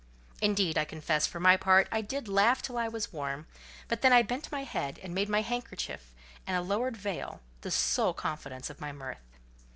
Indeed, I confess, for my part, I did laugh till I was warm; but then I bent my head, and made my handkerchief and a lowered veil the sole confidants of my mirth.